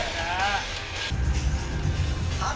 kemarin jam sebelas pak